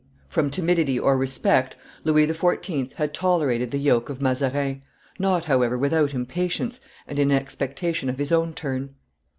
From timidity or respect, Louis XIV. had tolerated the yoke of Mazarin, not, however, without impatience and in expectation of his own turn.